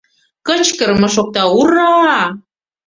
Кычкырыме шокта: ура-а!